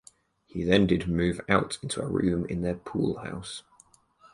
He then did move out into a room in their pool house.